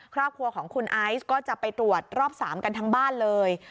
ครอบครัวของคุณไอซ์ก็จะไปตรวจรอบ๓กันทั้งบ้านเลย